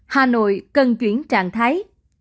hà nội cần chuyển trạng thái